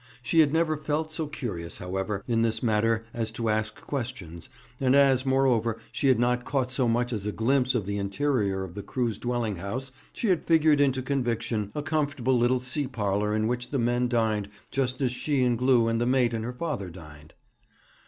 She had never felt so curious, however, in this matter as to ask questions, and as, moreover, she had not caught so much as a glimpse of the interior of the crew's dwelling house, she had figured into conviction a comfortable little sea parlour in which the men dined just as she and Glew and the mate and her father dined.